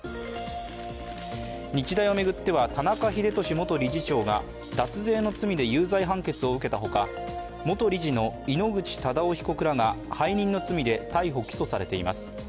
日大を巡っては田中英寿元理事長が脱税の罪で有罪判決を受けたほか、元理事の井ノ口忠男被告らが背任の罪で逮捕・起訴されています。